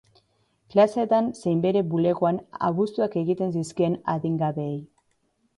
Klaseetan zein bere bulegoan abusuak egiten zizkien adingabeei.